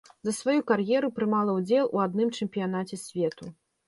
За сваю кар'еру прымала ўдзел у адным чэмпіянаце свету.